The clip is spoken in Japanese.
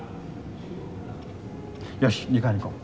よし２階に行こう。